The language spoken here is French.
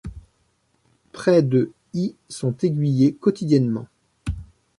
Près de y sont aiguillés quotidiennement.